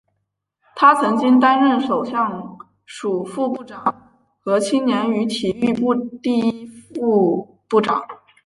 他曾经担任首相署副部长和青年与体育部第一副部长。